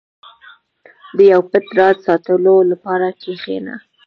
• د یو پټ راز ساتلو لپاره کښېنه.